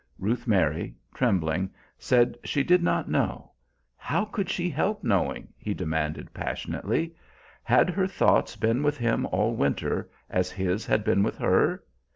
Ruth Mary, trembling, said she did not know. How could she help knowing? he demanded passionately. Had her thoughts been with him all winter, as his had been with her?